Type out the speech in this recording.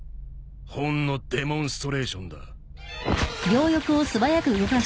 ほんのデモンストレーションだ。